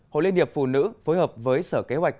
hội liên hiệp phụ nữ phối hợp với sở kế hoạch